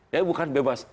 itu bukan bebas